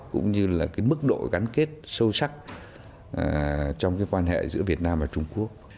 cũng như mức độ gắn kết sâu sắc trong quan hệ giữa việt nam và trung quốc